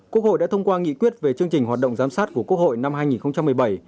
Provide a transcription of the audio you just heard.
quốc hội đã thông qua nghị quyết về chương trình hoạt động giám sát của quốc hội năm hai nghìn một mươi bảy